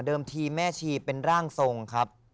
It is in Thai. ทีแม่ชีเป็นร่างทรงครับ